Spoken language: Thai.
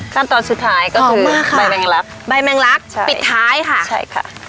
ขั้นตอนสุดท้ายก็คือมาค่ะใบแมงลักใบแมงลักใช่ปิดท้ายค่ะใช่ค่ะ